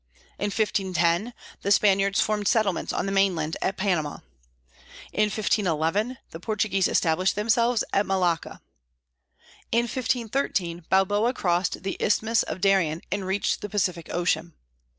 In 1510 the Spaniards formed settlements on the mainland at Panama. In 1511 the Portuguese established themselves at Malacca. In 1513 Balboa crossed the Isthmus of Darien and reached the Pacific Ocean.